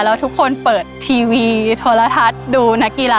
แล้วทุกคนเปิดทีวีโทรทัศน์ดูนักกีฬา